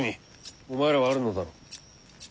お前らはあるのだろう？